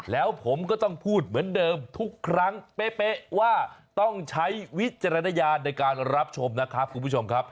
แล้วผมก็ต้องพูดเหมือนเดิมทุกครั้งเป๊ะว่าต้องใช้วิจารณญาณในการรับชมนะครับคุณผู้ชมครับ